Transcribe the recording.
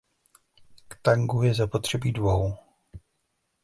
K tangu je zapotřebí dvou.